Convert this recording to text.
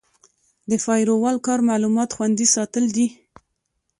د فایروال کار معلومات خوندي ساتل دي.